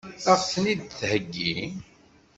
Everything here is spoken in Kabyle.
Ad ɣ-ten-id-theggi?